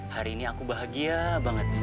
hari ini aku bahagia banget